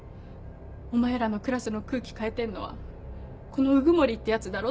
「お前らのクラスの空気変えてんのはこの鵜久森ってヤツだろ？」